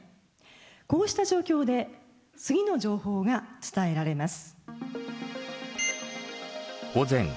こうした状況で次の情報が伝えられます。